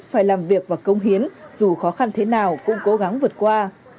phải làm việc và công hiến dù khó khăn thế nào cũng cố gắng vượt qua